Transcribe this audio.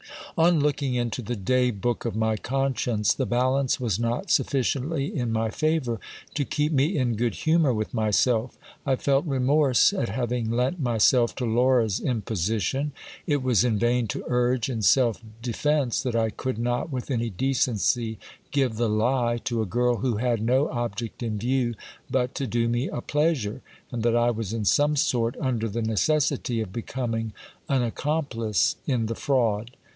On looking into the day book of my conscience, the balance was not suf ficiently in my favour to keep me in good humour with myself. I felt remorse at having lent myself to Laura's imposition. It was in vain to urge, in self defence, that I could not, with any decency, give the lie to a girl who had no object in view but to do me a pleasure, and that I was in some sort under the ne cessity of becoming an accomplice in the fraud.